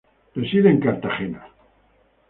Reside en Cartagena.